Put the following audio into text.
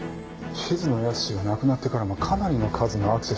静野保志が亡くなってからもかなりの数のアクセスがある。